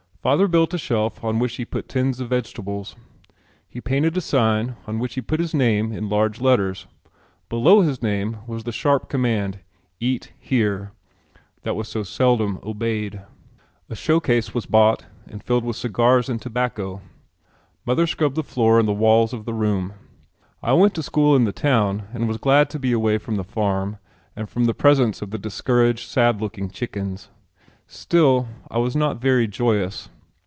Father built a shelf on which he put tins of vegetables. He painted a sign on which he put his name in large red letters. Below his name was the sharp command "EAT HERE" that was so seldom obeyed. A show case was bought and filled with cigars and tobacco. Mother scrubbed the floor and the walls of the room. I went to school in the town and was glad to be away from the farm and from the presence of the discouraged, sad looking chickens. Still I was not very joyous.